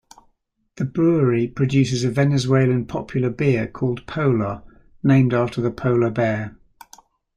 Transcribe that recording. The brewery produces a Venezuelan popular beer called Polar, named after the polar bear.